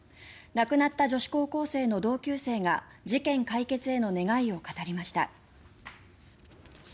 亡くなった女子高校生の同級生が事件解決への願いを語りました。